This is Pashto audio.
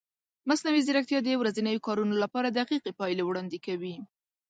مصنوعي ځیرکتیا د ورځنیو کارونو لپاره دقیقې پایلې وړاندې کوي.